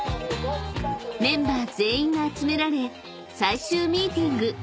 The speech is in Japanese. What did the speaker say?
［メンバー全員が集められ最終ミーティング］